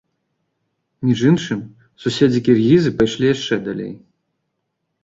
Між іншым, суседзі-кіргізы пайшлі яшчэ далей.